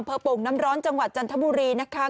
โป่งน้ำร้อนจังหวัดจันทบุรีนะคะ